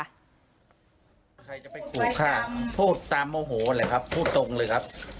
ใครจะไปขู่ฆ่าพูดตามโมโหเลยครับพูดตรงเลยครับ